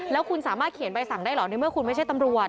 แล้วคุณสามารถเขียนใบสั่งได้เหรอในเมื่อคุณไม่ใช่ตำรวจ